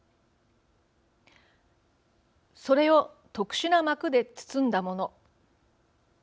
それを特殊な膜で包んだもの